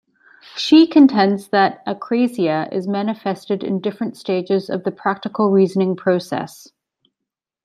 She contends that akrasia is manifested in different stages of the practical reasoning process.